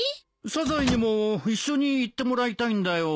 サザエにも一緒に行ってもらいたいんだよ。